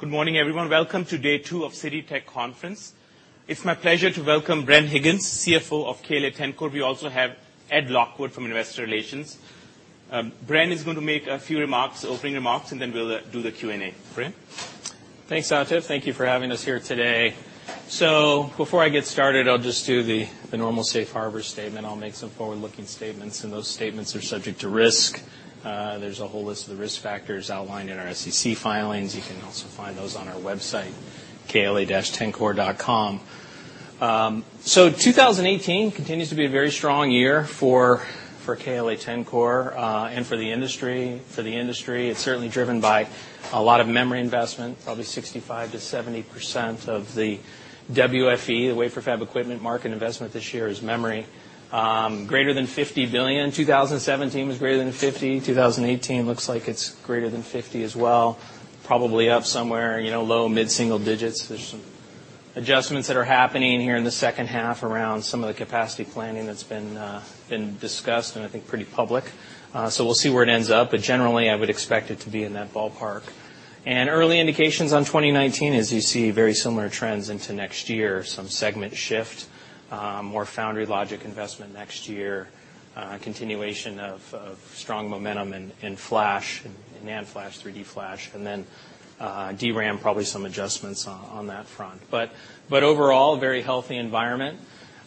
Good morning, everyone. Welcome to day two of Citi Tech Conference. It's my pleasure to welcome Bren Higgins, CFO of KLA-Tencor. We also have Ed Lockwood from Investor Relations. Bren is going to make a few opening remarks. Then we'll do the Q&A. Bren? Thanks, Atif. Thank you for having us here today. Before I get started, I'll just do the normal safe harbor statement. I'll make some forward-looking statements. Those statements are subject to risk. There's a whole list of the risk factors outlined in our SEC filings. You can also find those on our website, kla-tencor.com. 2018 continues to be a very strong year for KLA-Tencor, for the industry. For the industry, it's certainly driven by a lot of memory investment. Probably 65%-70% of the WFE, the wafer fab equipment market investment this year is memory. Greater than $50 billion. 2017 was greater than $50 billion. 2018 looks like it's greater than $50 billion as well, probably up somewhere low mid-single digits. There's some adjustments that are happening here in the second half around some of the capacity planning that's been discussed, I think pretty public. We'll see where it ends up, generally, I would expect it to be in that ballpark. Early indications on 2019, as you see very similar trends into next year, some segment shift, more foundry logic investment next year, continuation of strong momentum in NAND flash, 3D flash, DRAM, probably some adjustments on that front. Overall, a very healthy environment.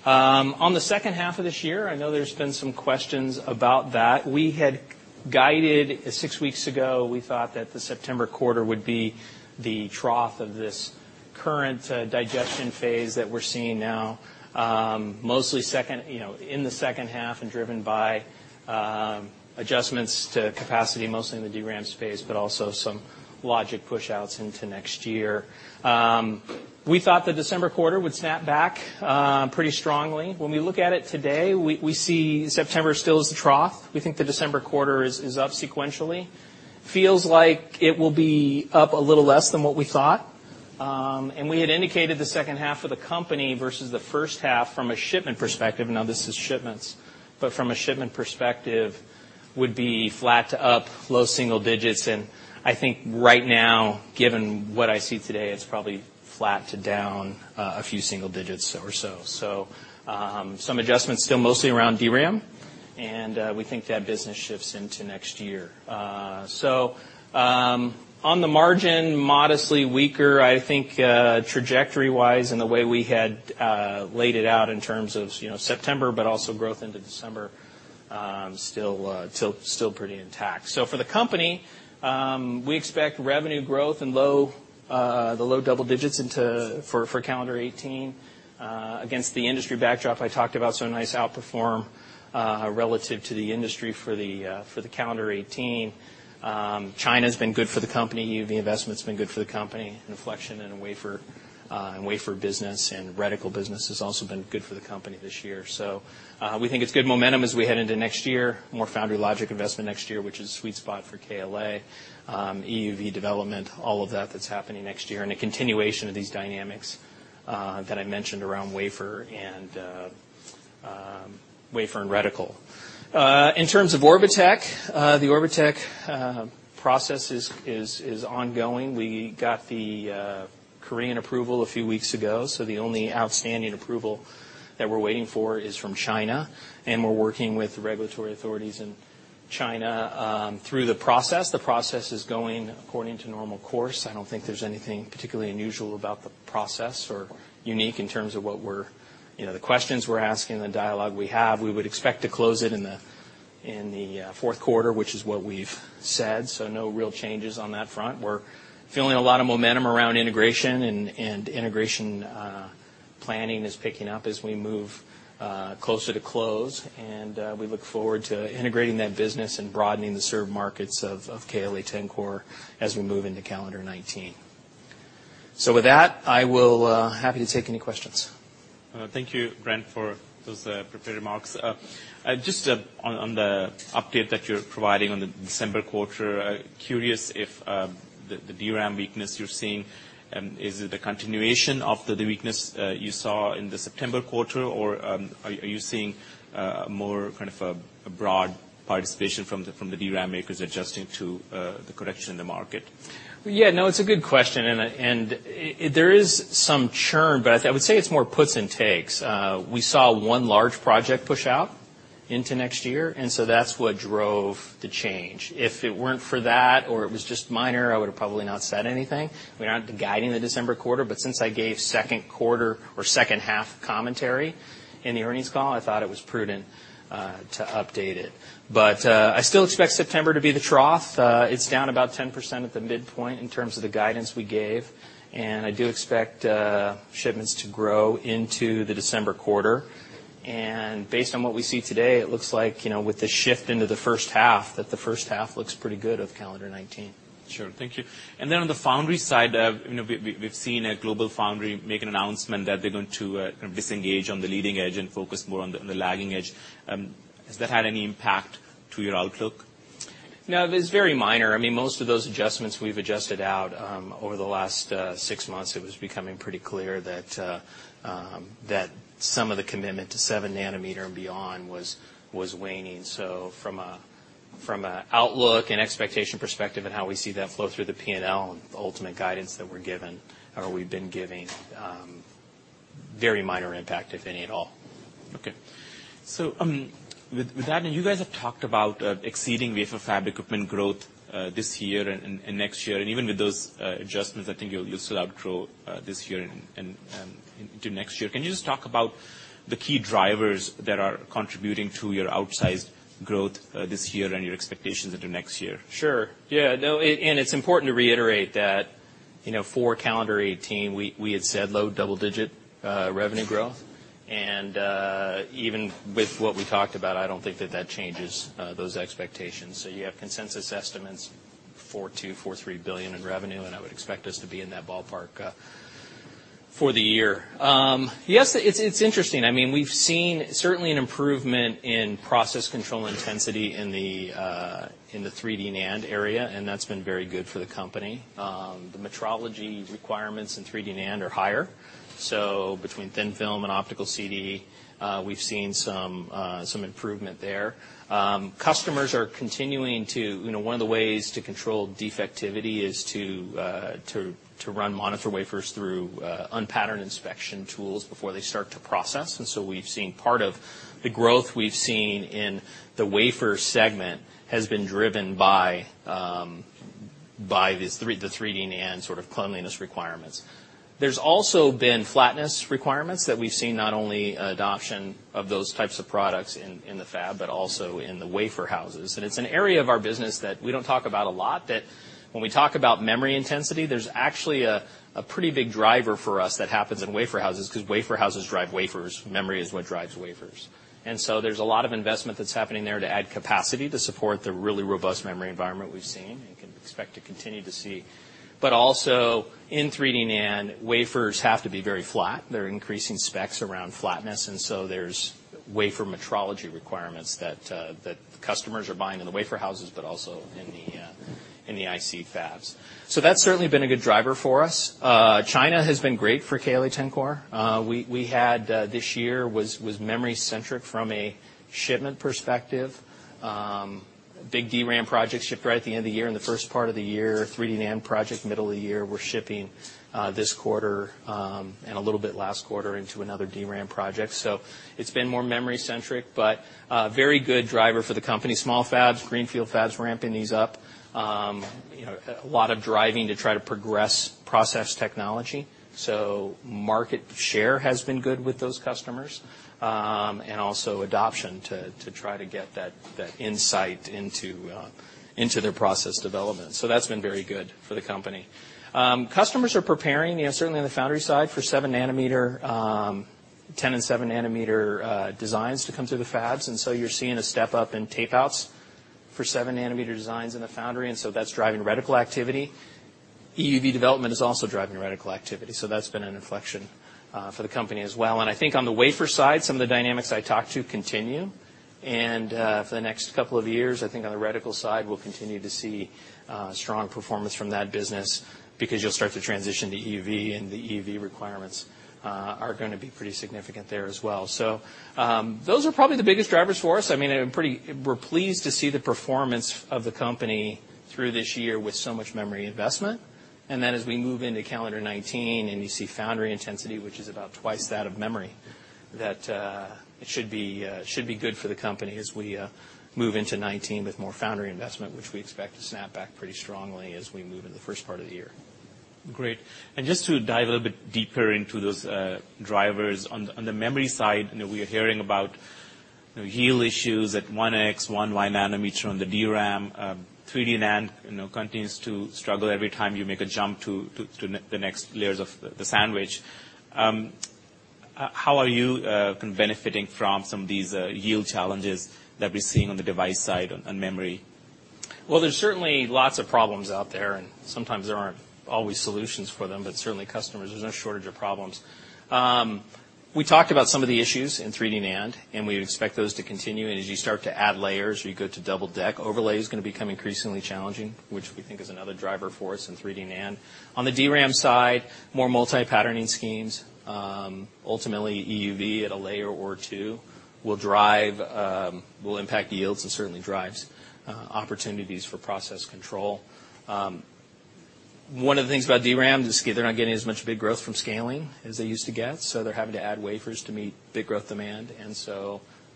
On the second half of this year, I know there's been some questions about that. We had guided six weeks ago, we thought that the September quarter would be the trough of this current digestion phase that we're seeing now. Mostly in the second half and driven by adjustments to capacity, mostly in the DRAM space, but also some logic pushouts into next year. We thought the December quarter would snap back pretty strongly. When we look at it today, we see September still as the trough. We think the December quarter is up sequentially. Feels like it will be up a little less than what we thought. We had indicated the second half of the company versus the first half from a shipment perspective, now this is shipments, from a shipment perspective, would be flat to up, low single digits. I think right now, given what I see today, it's probably flat to down a few single digits or so. Some adjustments still mostly around DRAM. We think that business shifts into next year. On the margin, modestly weaker, I think trajectory-wise in the way we had laid it out in terms of September, also growth into December, still pretty intact. For the company, we expect revenue growth in the low double digits for calendar 2018. Against the industry backdrop I talked about, a nice outperform relative to the industry for the calendar 2018. China's been good for the company. EUV investment's been good for the company. Inflection in wafer business and reticle business has also been good for the company this year. We think it's good momentum as we head into next year. More foundry logic investment next year, which is a sweet spot for KLA. EUV development, all of that that's happening next year, and a continuation of these dynamics that I mentioned around wafer and reticle. In terms of Orbotech, the Orbotech process is ongoing. We got the Korean approval a few weeks ago, the only outstanding approval that we're waiting for is from China, and we're working with regulatory authorities in China through the process. The process is going according to normal course. I don't think there's anything particularly unusual about the process or unique in terms of the questions we're asking, the dialogue we have. We would expect to close it in the fourth quarter, which is what we've said. No real changes on that front. We're feeling a lot of momentum around integration, and integration planning is picking up as we move closer to close, and we look forward to integrating that business and broadening the served markets of KLA-Tencor as we move into calendar 2019. With that, I will happy to take any questions. Thank you, Bren, for those prepared remarks. Just on the update that you're providing on the December quarter, curious if the DRAM weakness you're seeing, is it a continuation of the weakness you saw in the September quarter, or are you seeing more kind of a broad participation from the DRAM makers adjusting to the correction in the market? Yeah, no, it's a good question. There is some churn, I would say it's more puts and takes. We saw one large project push out into next year, that's what drove the change. If it weren't for that or it was just minor, I would have probably not said anything. We're not guiding the December quarter, but since I gave second quarter or second half commentary in the earnings call, I thought it was prudent to update it. I still expect September to be the trough. It's down about 10% at the midpoint in terms of the guidance we gave, I do expect shipments to grow into the December quarter. Based on what we see today, it looks like, with the shift into the first half, that the first half looks pretty good of calendar 2019. Sure. Thank you. Then on the foundry side, we've seen GlobalFoundries make an announcement that they're going to disengage on the leading edge and focus more on the lagging edge. Has that had any impact to your outlook? No, it is very minor. Most of those adjustments we've adjusted out over the last six months. It was becoming pretty clear that some of the commitment to 7 nm and beyond was waning. From an outlook and expectation perspective and how we see that flow through the P&L and the ultimate guidance that we're given, or we've been giving, very minor impact, if any at all. Okay. With that, you guys have talked about exceeding wafer fab equipment growth this year and next year. Even with those adjustments, I think you'll still outgrow this year and into next year. Can you just talk about the key drivers that are contributing to your outsized growth this year and your expectations into next year? Sure. It's important to reiterate that for calendar 2018, we had said low double-digit revenue growth. Even with what we talked about, I don't think that that changes those expectations. You have consensus estimates, $4.2 billion, $4.3 billion in revenue, and I would expect us to be in that ballpark for the year. Yes, it's interesting. We've seen certainly an improvement in process control intensity in the 3D NAND area, and that's been very good for the company. The metrology requirements in 3D NAND are higher. Between thin film and optical CD, we've seen some improvement there. One of the ways to control defectivity is to run monitor wafers through unpatterned inspection tools before they start to process. We've seen part of the growth we've seen in the wafer segment has been driven by the 3D NAND sort of cleanliness requirements. There's also been flatness requirements that we've seen not only adoption of those types of products in the fab, but also in the wafer houses. It's an area of our business that we don't talk about a lot, that when we talk about memory intensity, there's actually a pretty big driver for us that happens in wafer houses because wafer houses drive wafers. Memory is what drives wafers. There's a lot of investment that's happening there to add capacity to support the really robust memory environment we've seen and can expect to continue to see. Also in 3D NAND, wafers have to be very flat. They're increasing specs around flatness, there's wafer metrology requirements that the customers are buying in the wafer houses, but also in the IC fabs. That's certainly been a good driver for us. China has been great for KLA-Tencor. We had this year was memory-centric from a shipment perspective. Big DRAM projects shipped right at the end of the year and the first part of the year, 3D NAND project middle of the year. We're shipping this quarter, and a little bit last quarter, into another DRAM project. It's been more memory-centric, but a very good driver for the company. Small fabs, greenfield fabs, ramping these up. A lot of driving to try to progress process technology. Market share has been good with those customers, and also adoption to try to get that insight into their process development. That's been very good for the company. Customers are preparing, certainly on the foundry side, for 7 nm, 10 nm and 7 nm designs to come through the fabs. You're seeing a step-up in tape-outs for 7 nm designs in the foundry, that's driving reticle activity. EUV development is also driving reticle activity, that's been an inflection for the company as well. I think on the wafer side, some of the dynamics I talked to continue. For the next couple of years, I think on the reticle side, we'll continue to see strong performance from that business because you'll start to transition to EUV, and the EUV requirements are going to be pretty significant there as well. Those are probably the biggest drivers for us. We're pleased to see the performance of the company through this year with so much memory investment, then as we move into calendar 2019 and you see foundry intensity, which is about 2x that of memory, that it should be good for the company as we move into 2019 with more foundry investment, which we expect to snap back pretty strongly as we move in the first part of the year. Great. Just to dive a little bit deeper into those drivers. On the memory side, we are hearing about yield issues at 1X, 1Y nanometer on the DRAM, 3D NAND continues to struggle every time you make a jump to the next layers of the sandwich. How are you benefiting from some of these yield challenges that we're seeing on the device side on memory? Well, there's certainly lots of problems out there, sometimes there aren't always solutions for them, certainly customers, there's no shortage of problems. We talked about some of the issues in 3D NAND, we expect those to continue. As you start to add layers, you go to double-sided overlay is going to become increasingly challenging, which we think is another driver for us in 3D NAND. On the DRAM side, more multi-patterning schemes, ultimately EUV at a layer or two will impact yields and certainly drives opportunities for process control. One of the things about DRAM is they're not getting as much bit growth from scaling as they used to get, so they're having to add wafers to meet bit growth demand.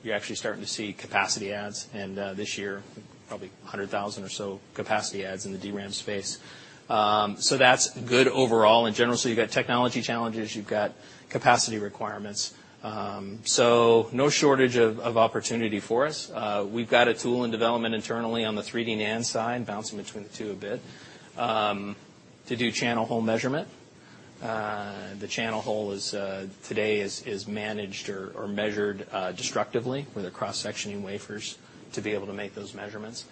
You're actually starting to see capacity adds, and this year, probably 100,000 or so capacity adds in the DRAM space. That's good overall. In general, you've got technology challenges, you've got capacity requirements. No shortage of opportunity for us. We've got a tool in development internally on the 3D NAND side, bouncing between the two a bit, to do channel hole measurement. The channel hole today is managed or measured destructively, where they're cross-sectioning wafers to be able to make those measurements.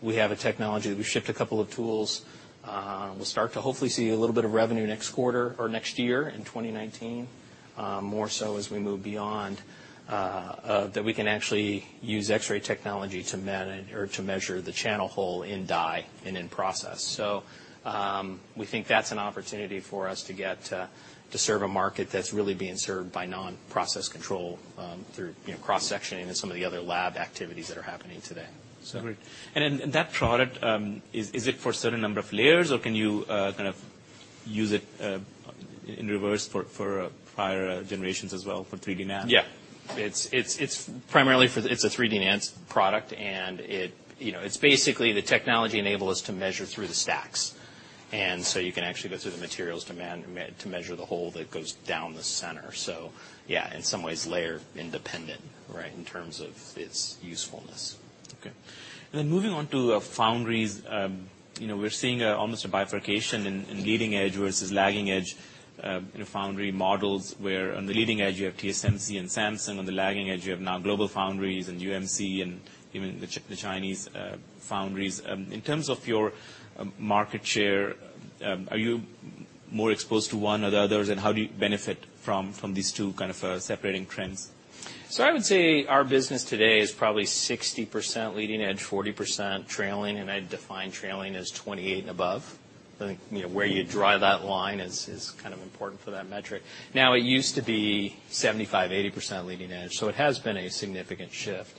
We have a technology that we've shipped a couple of tools. We'll start to hopefully see a little bit of revenue next quarter or next year in 2019, more so as we move beyond, that we can actually use X-ray technology to measure the channel hole in die and in process. We think that's an opportunity for us to get to serve a market that's really being served by non-process control through cross-sectioning and some of the other lab activities that are happening today. Great. That product, is it for a certain number of layers, or can you kind of use it in reverse for prior generations as well, for 3D NAND? Yeah. It's a 3D NAND product. Basically, the technology enable us to measure through the stacks. You can actually go through the materials to measure the hole that goes down the center. In some ways layer independent, right? In terms of its usefulness. Okay. Moving on to foundries. We're seeing almost a bifurcation in leading edge versus lagging edge foundry models where on the leading edge you have TSMC and Samsung, on the lagging edge you have now GlobalFoundries and UMC and even the Chinese foundries. In terms of your market share, are you more exposed to one or the others, and how do you benefit from these two kind of separating trends? I would say our business today is probably 60% leading edge, 40% trailing, and I'd define trailing as 28 and above. I think where you draw that line is kind of important for that metric. Now, it used to be 75%, 80% leading edge, so it has been a significant shift.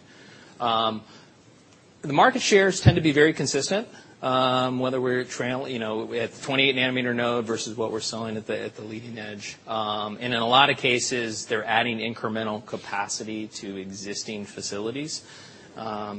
The market shares tend to be very consistent, whether we're at the 28 nm node versus what we're selling at the leading edge. In a lot of cases, they're adding incremental capacity to existing facilities. A lot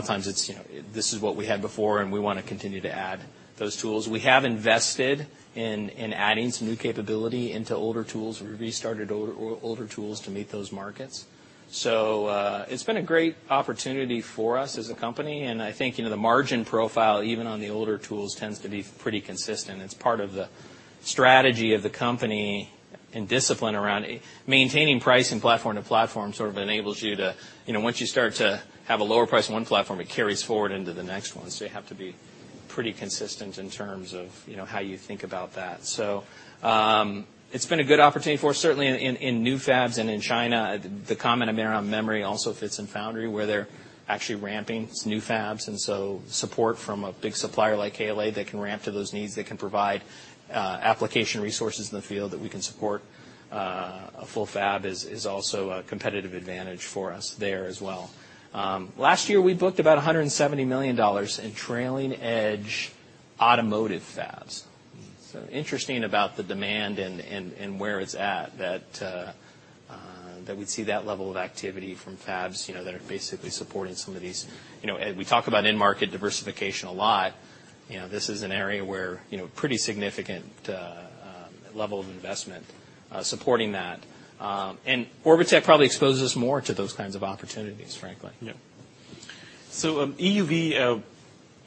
of times, it's this is what we had before and we want to continue to add those tools. We have invested in adding some new capability into older tools. We restarted older tools to meet those markets. It's been a great opportunity for us as a company, and I think the margin profile, even on the older tools, tends to be pretty consistent. It's part of the strategy of the company and discipline around maintaining price and platform to platform. Once you start to have a lower price on one platform, it carries forward into the next one. You have to be pretty consistent in terms of how you think about that. It's been a good opportunity for us, certainly in new fabs and in China, the comment I made around memory also fits in foundry, where they're actually ramping new fabs. Support from a big supplier like KLA that can ramp to those needs, that can provide application resources in the field, that we can support a full fab is also a competitive advantage for us there as well. Last year, we booked about $170 million in trailing edge automotive fabs. Interesting about the demand and where it's at, that we'd see that level of activity from fabs that are basically supporting some of these. We talk about end market diversification a lot. This is an area where pretty significant level of investment supporting that. Orbotech probably exposes us more to those kinds of opportunities, frankly. Yeah. EUV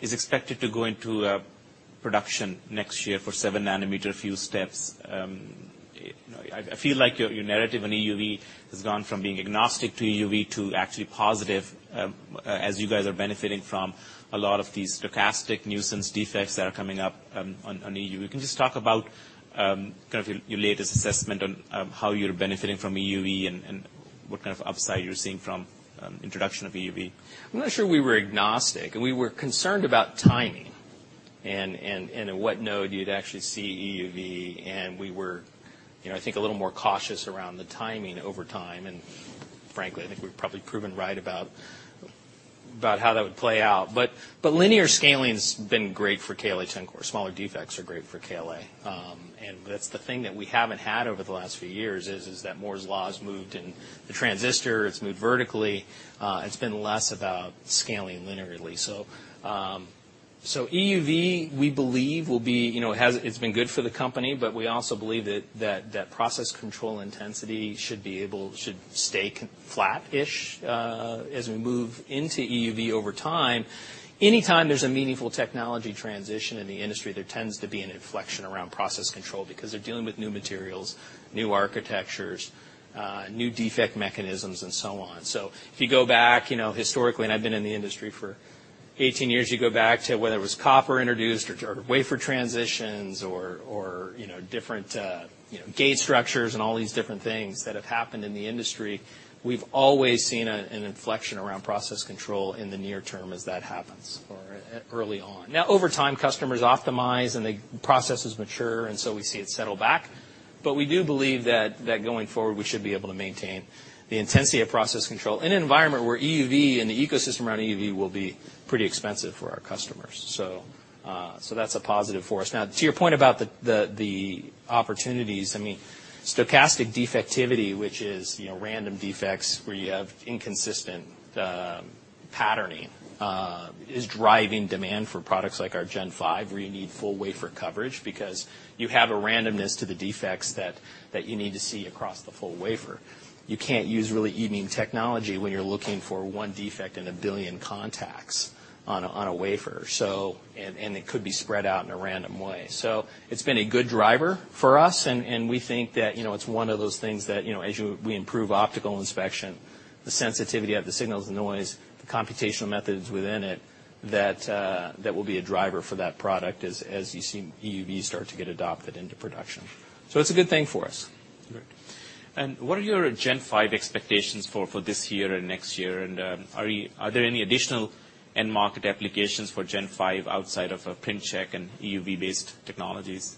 is expected to go into production next year for 7 nm a few steps. I feel like your narrative on EUV has gone from being agnostic to EUV to actually positive, as you guys are benefiting from a lot of these stochastic nuisance defects that are coming up on EUV. Can you just talk about kind of your latest assessment on how you're benefiting from EUV and what kind of upside you're seeing from introduction of EUV? I'm not sure we were agnostic, we were concerned about timing and at what node you'd actually see EUV, we were, I think, a little more cautious around the timing over time, and frankly, I think we've probably proven right about how that would play out. Linear scaling's been great for KLA since smaller defects are great for KLA. That's the thing that we haven't had over the last few years, is that Moore's Law has moved and the transistor, it's moved vertically. It's been less about scaling linearly. EUV, we believe it's been good for the company, but we also believe that process control intensity should stay flat-ish as we move into EUV over time. Anytime there's a meaningful technology transition in the industry, there tends to be an inflection around process control because they're dealing with new materials, new architectures, new defect mechanisms, and so on. If you go back historically, and I've been in the industry for 18 years, you go back to whether it was copper introduced or wafer transitions or different gate structures and all these different things that have happened in the industry. We've always seen an inflection around process control in the near term as that happens or early on. Over time, customers optimize and the processes mature, and we see it settle back. We do believe that going forward, we should be able to maintain the intensity of process control in an environment where EUV and the ecosystem around EUV will be pretty expensive for our customers. That's a positive for us. To your point about the opportunities, stochastic defectivity, which is random defects where you have inconsistent patterning, is driving demand for products like our Gen 5, where you need full wafer coverage because you have a randomness to the defects that you need to see across the full wafer. You can't use really e-beam technology when you're looking for one defect in a billion contacts on a wafer. It could be spread out in a random way. It's been a good driver for us, and we think that it's one of those things that as we improve optical inspection, the sensitivity of the signals, the noise, the computational methods within it, that will be a driver for that product as you see EUV start to get adopted into production. It's a good thing for us. Great. What are your Gen 5 expectations for this year and next year, and are there any additional end market applications for Gen 5 outside of a print check and EUV-based technologies?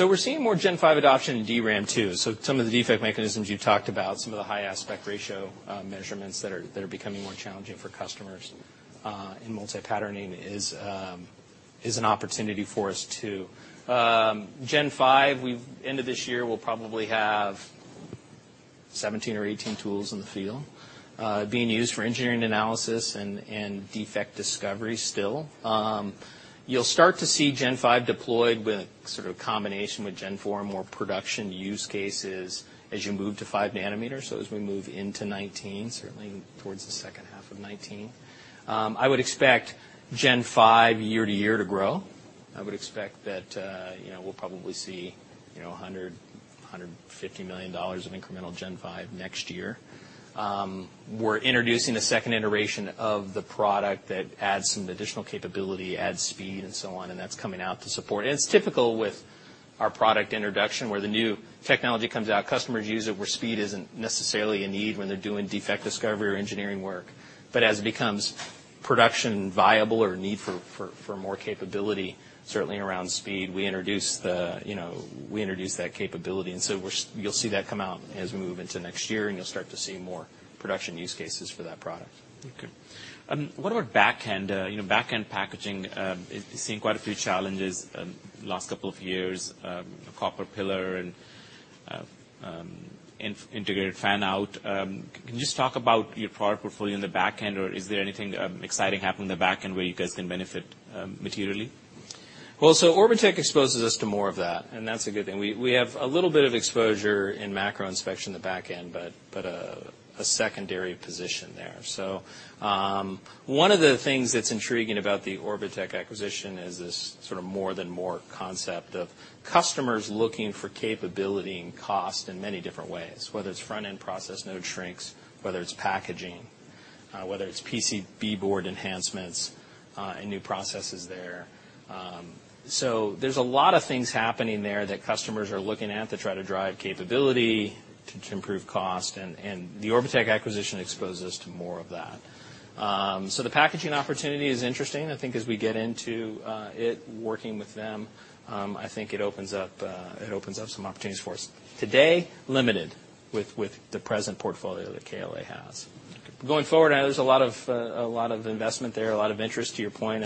We're seeing more Gen 5 adoption in DRAM too. Some of the defect mechanisms you talked about, some of the high aspect ratio measurements that are becoming more challenging for customers In multi-patterning is an opportunity for us too. Gen 5, end of this year, we'll probably have 17 or 18 tools in the field, being used for engineering analysis and defect discovery still. You'll start to see Gen 5 deployed with a combination with Gen 4 and more production use cases as you move to 5 nm. As we move into 2019, certainly towards the second half of 2019. I would expect Gen 5 year to year to grow. I would expect that we'll probably see $100 million-$150 million of incremental Gen 5 next year. We're introducing a second iteration of the product that adds some additional capability, adds speed and so on, that's coming out to support. It's typical with our product introduction, where the new technology comes out, customers use it where speed isn't necessarily a need when they're doing defect discovery or engineering work. As it becomes production viable or need for more capability, certainly around speed, we introduce that capability. You'll see that come out as we move into next year, and you'll start to see more production use cases for that product. Okay. What about back end? Back end packaging is seeing quite a few challenges last couple of years, copper pillar and integrated fan-out. Can you just talk about your product portfolio on the back end, or is there anything exciting happening on the back end where you guys can benefit materially? Orbotech exposes us to more of that's a good thing. We have a little bit of exposure in macro inspection at the back end, but a secondary position there. One of the things that's intriguing about the Orbotech acquisition is this More than Moore concept of customers looking for capability and cost in many different ways, whether it's front-end process node shrinks, whether it's packaging, whether it's PCB board enhancements, and new processes there. There's a lot of things happening there that customers are looking at to try to drive capability to improve cost, the Orbotech acquisition exposes us to more of that. The packaging opportunity is interesting. I think as we get into it, working with them, I think it opens up some opportunities for us. Today, limited with the present portfolio that KLA has. Going forward, there's a lot of investment there, a lot of interest to your point.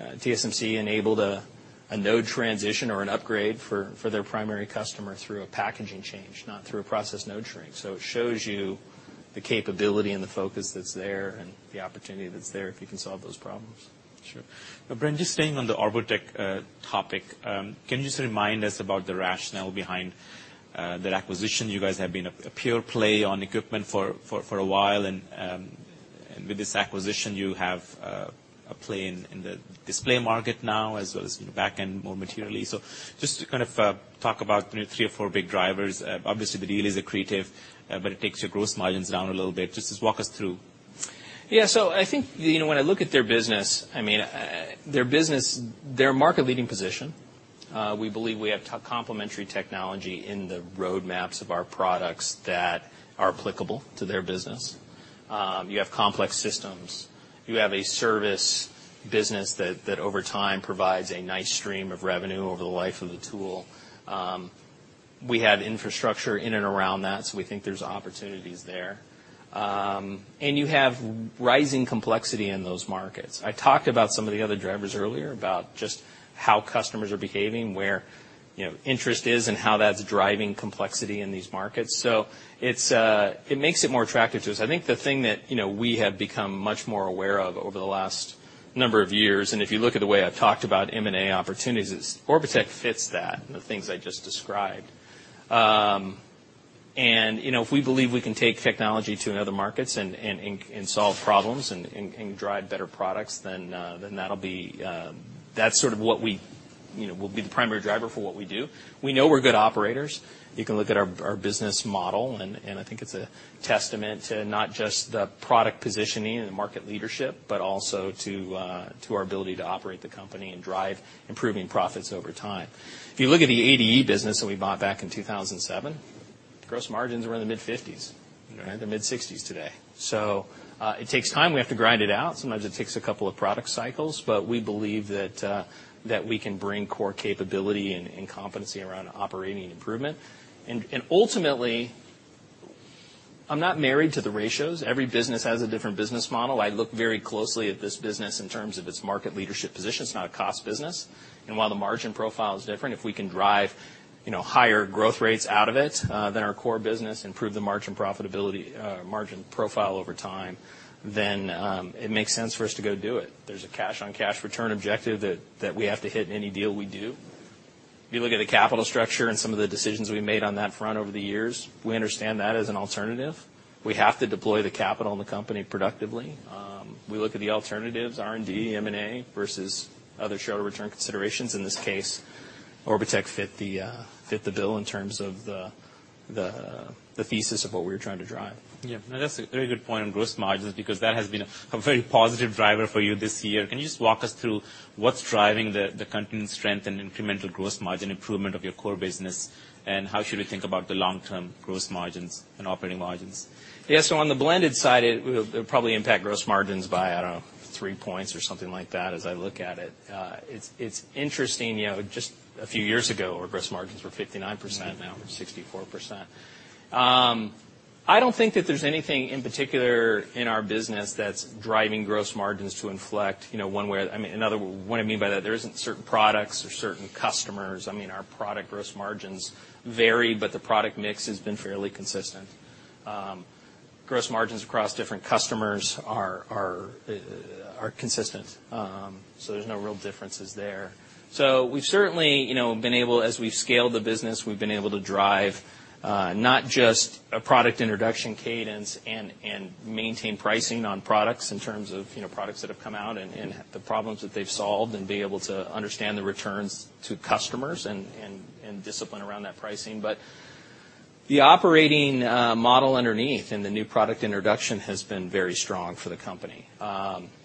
TSMC enabled a node transition or an upgrade for their primary customer through a packaging change, not through a process node shrink. It shows you the capability and the focus that's there, the opportunity that's there if you can solve those problems. Sure. Bren, just staying on the Orbotech topic, can you just remind us about the rationale behind that acquisition? You guys have been a pure play on equipment for a while, and with this acquisition, you have a play in the display market now as well as back end more materially. Just to kind of talk about three or four big drivers. Obviously, the deal is accretive, but it takes your gross margins down a little bit. Just walk us through. Yeah. I think, when I look at their business, their market-leading position, we believe we have complementary technology in the roadmaps of our products that are applicable to their business. You have complex systems. You have a service business that over time provides a nice stream of revenue over the life of the tool. We have infrastructure in and around that, so we think there's opportunities there. You have rising complexity in those markets. I talked about some of the other drivers earlier, about just how customers are behaving, where interest is, and how that's driving complexity in these markets. It makes it more attractive to us. I think the thing that we have become much more aware of over the last number of years, and if you look at the way I've talked about M&A opportunities, Orbotech fits that, the things I just described. If we believe we can take technology to other markets and solve problems and drive better products, then that's sort of what will be the primary driver for what we do. We know we're good operators. You can look at our business model, and I think it's a testament to not just the product positioning and the market leadership, but also to our ability to operate the company and drive improving profits over time. If you look at the ADE business that we bought back in 2007, gross margins were in the mid-50s. Right. They're in the mid-60s today. It takes time. We have to grind it out. Sometimes it takes a couple of product cycles, but we believe that we can bring core capability and competency around operating improvement. Ultimately, I'm not married to the ratios. Every business has a different business model. I look very closely at this business in terms of its market leadership position. It's not a cost business. While the margin profile is different, if we can drive higher growth rates out of it than our core business, improve the margin profitability, margin profile over time, then it makes sense for us to go do it. There's a cash-on-cash return objective that we have to hit in any deal we do. If you look at the capital structure and some of the decisions we made on that front over the years, we understand that as an alternative. We have to deploy the capital in the company productively. We look at the alternatives, R&D, M&A versus other shareholder return considerations. In this case, Orbotech fit the bill in terms of the thesis of what we were trying to drive. Yeah. No, that's a very good point on gross margins because that has been a very positive driver for you this year. Can you just walk us through what's driving the continued strength and incremental gross margin improvement of your core business, and how should we think about the long-term gross margins and operating margins? Yeah. On the blended side, it will probably impact gross margins by, I don't know, three points or something like that as I look at it. It's interesting, just a few years ago, our gross margins were 59%, now they're 64%. I don't think that there's anything in particular in our business that's driving gross margins to inflect one way. What I mean by that, there isn't certain products or certain customers. Our product gross margins vary, but the product mix has been fairly consistent. Gross margins across different customers are consistent, there's no real differences there. We've certainly, as we've scaled the business, we've been able to drive not just a product introduction cadence and maintain pricing on products in terms of products that have come out and the problems that they've solved and be able to understand the returns to customers and discipline around that pricing. The operating model underneath and the new product introduction has been very strong for the company.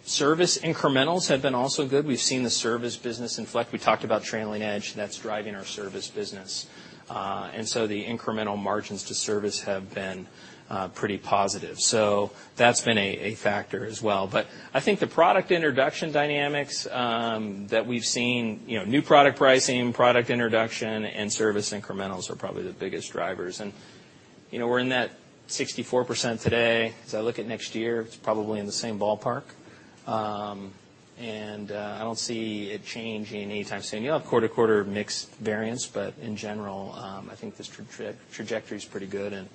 Service incrementals have been also good. We've seen the service business inflect. We talked about trailing edge, that's driving our service business. The incremental margins to service have been pretty positive. That's been a factor as well. I think the product introduction dynamics that we've seen, new product pricing, product introduction, and service incrementals are probably the biggest drivers. We're in that 64% today. As I look at next year, it's probably in the same ballpark. I don't see it changing anytime soon. You have quarter-to-quarter mix variance, but in general, I think this trajectory is pretty good. I'm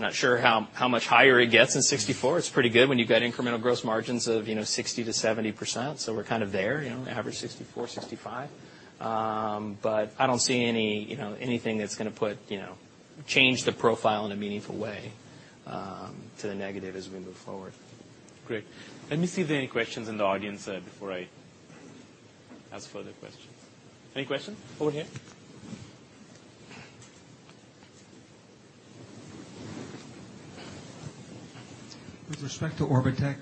not sure how much higher it gets than 64. It's pretty good when you've got incremental gross margins of 60%-70%, so we're kind of there, average 64, 65. I don't see anything that's going to change the profile in a meaningful way to the negative as we move forward. Great. Let me see if there are any questions in the audience before I ask further questions. Any questions? Over here. With respect to Orbotech,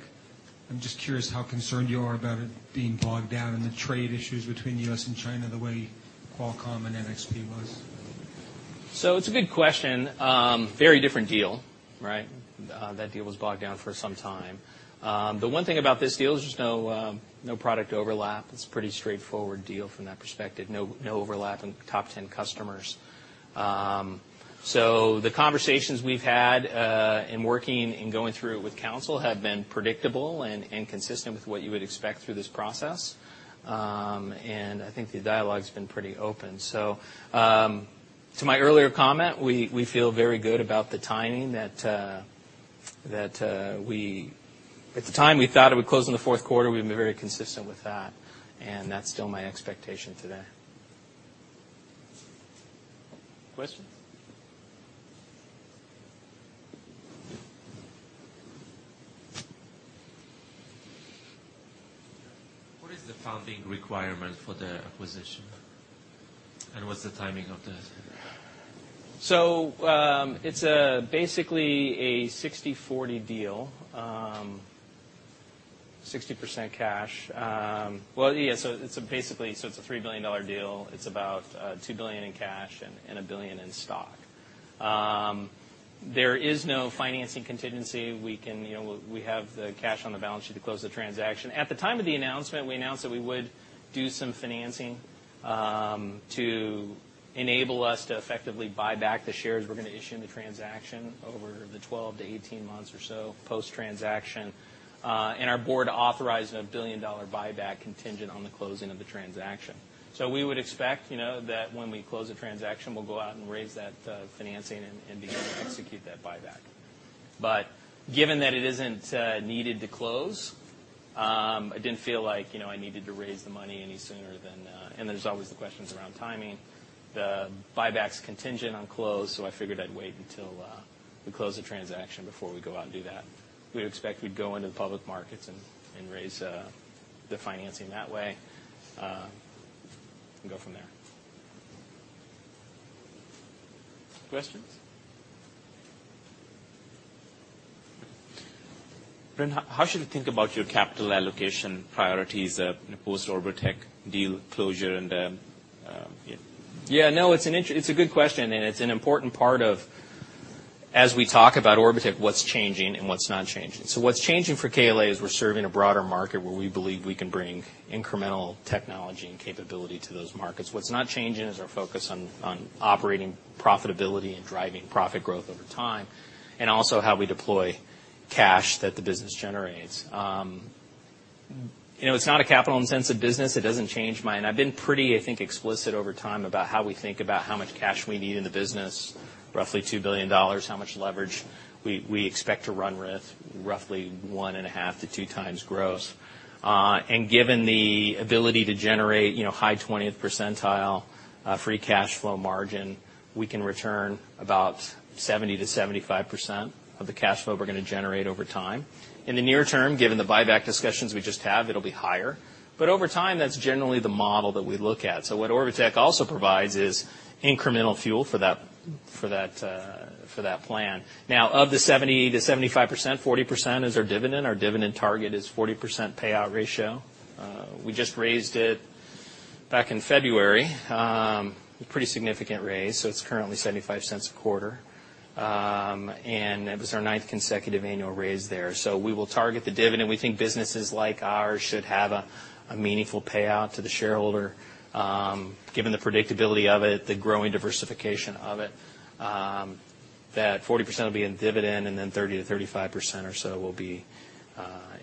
I'm just curious how concerned you are about it being bogged down in the trade issues between U.S. and China the way Qualcomm and NXP was. It's a good question. Very different deal, right? That deal was bogged down for some time. The one thing about this deal is there's no product overlap. It's a pretty straightforward deal from that perspective. No overlap in top 10 customers. The conversations we've had in working and going through with council have been predictable and consistent with what you would expect through this process. I think the dialogue's been pretty open. To my earlier comment, we feel very good about the timing that, at the time we thought it would close in the fourth quarter, we've been very consistent with that, and that's still my expectation today. Question? What is the funding requirement for the acquisition? What's the timing of that? It's basically a 60-40 deal. 60% cash. It's a $3 billion deal. It's about $2 billion in cash and $1 billion in stock. There is no financing contingency. We have the cash on the balance sheet to close the transaction. At the time of the announcement, we announced that we would do some financing, to enable us to effectively buy back the shares we're going to issue in the transaction over the 12 to 18 months or so post-transaction. Our board authorized a $1 billion buyback contingent on the closing of the transaction. We would expect that when we close the transaction, we'll go out and raise that financing and begin to execute that buyback. Given that it isn't needed to close, I didn't feel like I needed to raise the money. There's always the questions around timing. The buyback's contingent on close, so I figured I'd wait until we close the transaction before we go out and do that. We'd expect we'd go into the public markets and raise the financing that way, and go from there. Questions? Bren, how should we think about your capital allocation priorities post Orbotech deal closure. Yeah, no, it's a good question, and it's an important part of, as we talk about Orbotech, what's changing and what's not changing. What's changing for KLA is we're serving a broader market where we believe we can bring incremental technology and capability to those markets. What's not changing is our focus on operating profitability and driving profit growth over time, and also how we deploy cash that the business generates. It's not a capital intensive business. It doesn't change. I've been pretty, I think, explicit over time about how we think about how much cash we need in the business, roughly $2 billion, how much leverage we expect to run with, roughly 1.5 to 2 times gross. Given the ability to generate high 20th percentile free cash flow margin, we can return about 70%-75% of the cash flow we're going to generate over time. In the near term, given the buyback discussions we just had, it'll be higher. Over time, that's generally the model that we look at. What Orbotech also provides is incremental fuel for that plan. Of the 70%-75%, 40% is our dividend. Our dividend target is 40% payout ratio. We just raised it back in February, a pretty significant raise, so it's currently $0.75 a quarter. It was our ninth consecutive annual raise there. We will target the dividend. We think businesses like ours should have a meaningful payout to the shareholder given the predictability of it, the growing diversification of it. That 40% will be in dividend, then 30%-35% or so will be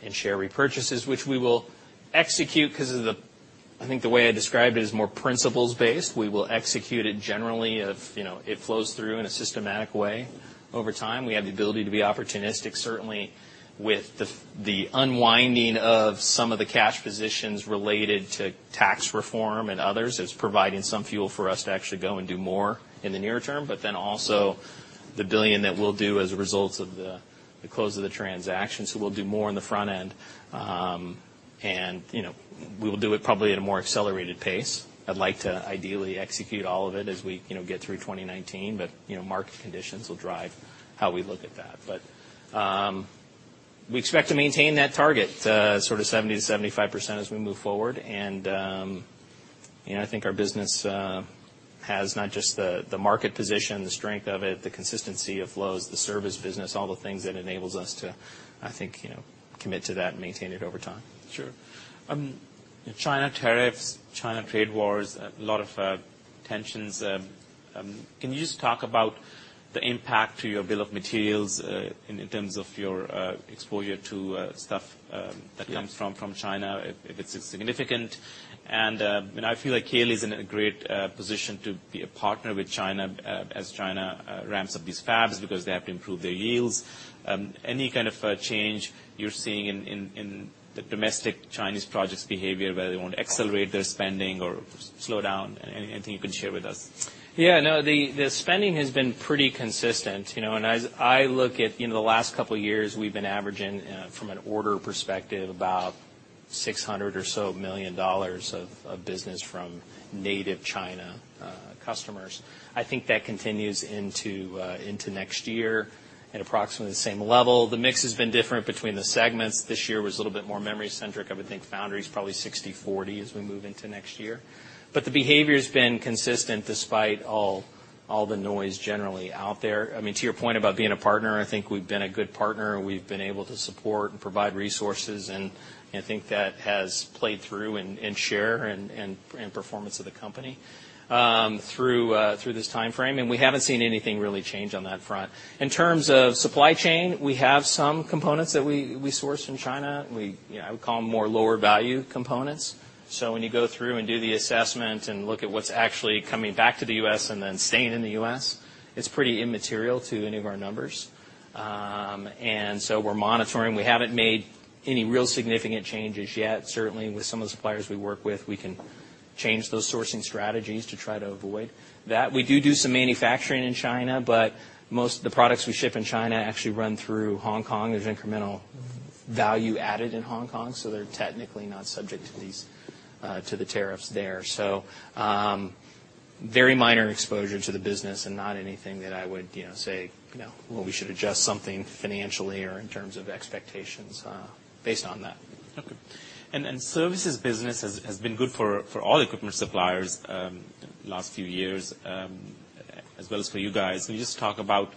in share repurchases, which we will execute because of the way I described it is more principles-based. We will execute it generally. It flows through in a systematic way over time. We have the ability to be opportunistic, certainly with the unwinding of some of the cash positions related to tax reform and others, it's providing some fuel for us to actually go and do more in the near term, also the $1 billion that we'll do as a result of the close of the transaction. We'll do more on the front end. We will do it probably at a more accelerated pace. I'd like to ideally execute all of it as we get through 2019, market conditions will drive how we look at that. We expect to maintain that target sort of 70%-75% as we move forward. I think our business has not just the market position, the strength of it, the consistency of flows, the service business, all the things that enables us to, I think, commit to that and maintain it over time. Sure. China tariffs, China trade wars, a lot of tensions. Can you just talk about the impact to your bill of materials in terms of your exposure to stuff that comes from China, if it's significant? I feel like KLA is in a great position to be a partner with China as China ramps up these fabs because they have to improve their yields. Any kind of change you're seeing in the domestic Chinese projects behavior, whether they want to accelerate their spending or slow down? Anything you can share with us? Yeah, no, the spending has been pretty consistent. As I look at the last couple of years, we've been averaging, from an order perspective, about $600 million or so of business from native China customers. I think that continues into next year at approximately the same level. The mix has been different between the segments. This year was a little bit more memory-centric. I would think foundry is probably 60/40 as we move into next year. The behavior's been consistent despite all the noise generally out there. To your point about being a partner, I think we've been a good partner, and we've been able to support and provide resources, and I think that has played through in share and performance of the company through this timeframe, and we haven't seen anything really change on that front. In terms of supply chain, we have some components that we source from China. I would call them more lower-value components. When you go through and do the assessment and look at what's actually coming back to the U.S. and then staying in the U.S., it's pretty immaterial to any of our numbers. We're monitoring. We haven't made any real significant changes yet. Certainly, with some of the suppliers we work with, we can change those sourcing strategies to try to avoid that. We do do some manufacturing in China, but most of the products we ship in China actually run through Hong Kong. There's incremental value added in Hong Kong, so they're technically not subject to the tariffs there. Very minor exposure to the business and not anything that I would say, "Well, we should adjust something financially or in terms of expectations based on that. Okay. Services business has been good for all equipment suppliers last few years as well as for you guys. Can you just talk about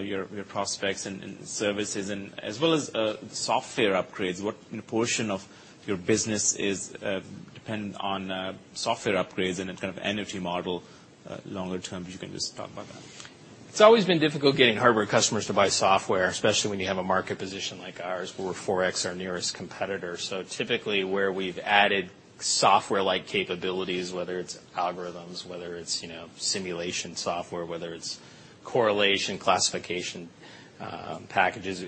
your prospects and services and as well as software upgrades? What portion of your business is dependent on software upgrades and kind of energy model longer term? If you can just talk about that. It's always been difficult getting hardware customers to buy software, especially when you have a market position like ours, where we're 4x our nearest competitor. Typically, where we've added software-like capabilities, whether it's algorithms, whether it's simulation software, whether it's correlation classification packages,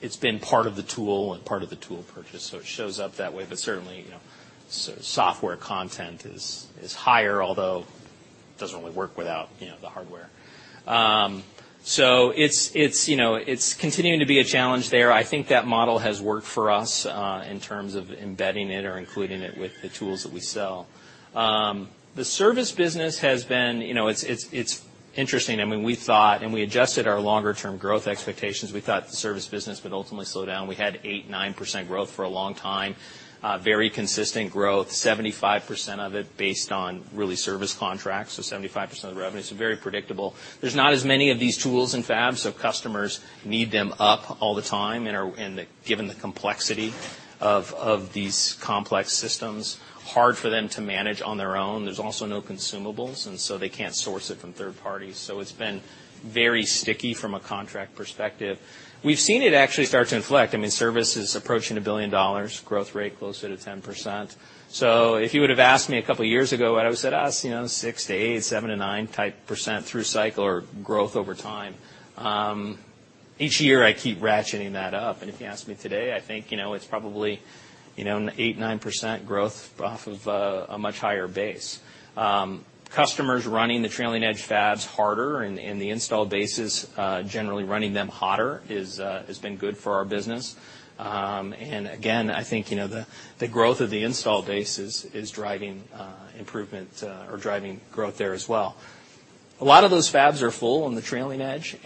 it's been part of the tool and part of the tool purchase. It shows up that way. Certainly, software content is higher, although it doesn't really work without the hardware. It's continuing to be a challenge there. I think that model has worked for us in terms of embedding it or including it with the tools that we sell. The service business has been interesting. We thought, we adjusted our longer-term growth expectations. We thought the service business would ultimately slow down. We had 8%, 9% growth for a long time. Very consistent growth, 75% of it based on really service contracts. 75% of the revenue. Very predictable. There's not as many of these tools in fabs, so customers need them up all the time, and given the complexity of these complex systems, hard for them to manage on their own. There's also no consumables, they can't source it from third parties. It's been very sticky from a contract perspective. We've seen it actually start to inflect. Service is approaching $1 billion, growth rate closer to 10%. If you would've asked me a couple of years ago, I would've said, "Oh, 6%-8%, 7%-9%-type percent through cycle or growth over time." Each year, I keep ratcheting that up, if you ask me today, I think it's probably an 8%-9% growth off of a much higher base. Customers running the trailing-edge fabs harder and the installed bases generally running them hotter has been good for our business. Again, I think the growth of the installed base is driving improvement or driving growth there as well. A lot of those fabs are full on the trailing edge,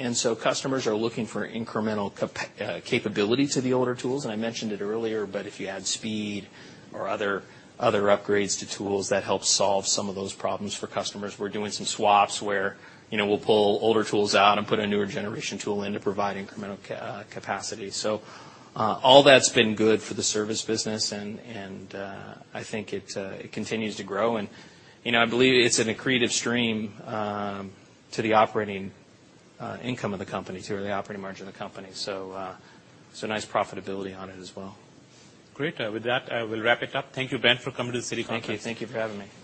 customers are looking for incremental capability to the older tools, and I mentioned it earlier, but if you add speed or other upgrades to tools, that help solve some of those problems for customers. We're doing some swaps where we'll pull older tools out and put a newer generation tool in to provide incremental capacity. All that's been good for the service business, and I think it continues to grow, and I believe it's an accretive stream to the operating income of the company, to the operating margin of the company. Nice profitability on it as well. Great. With that, I will wrap it up. Thank you, Bren, for coming to the Citi Conference. Thank you. Thank you for having me.